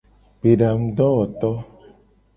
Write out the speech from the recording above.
Gbedangudowoto.